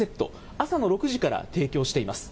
朝の６時から提供しています。